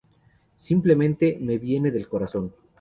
Simplemente, me viene del corazón.